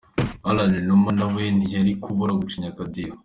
Alain Numa nawe ntiyari kubura gucinya akadiho .